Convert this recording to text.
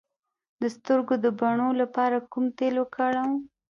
د سترګو د بڼو لپاره کوم تېل وکاروم؟